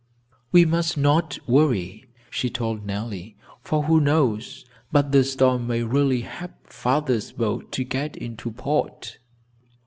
"We must not worry," she told Nellie, "for who knows but the storm may really help father's boat to get into port?"